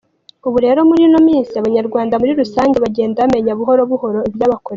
Ubu rero muri ino minsi abanyarwanda muri rusange bagenda bamenya buhoro buhoro ibyabakorewe.